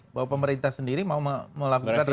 bahwa pemerintah sendiri mau melakukan